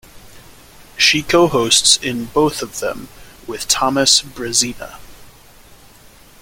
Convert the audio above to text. She co-hosts in both of them with Thomas Brezina.